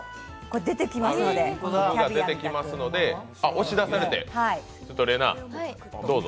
押し出されて、ちょっとれなぁ、どうぞ。